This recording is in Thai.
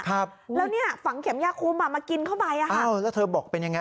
ครับแล้วเนี้ยฝังเข็มยาคุมอ่ะมากินเข้าไปอ่ะอ้าวแล้วเธอบอกเป็นยังไง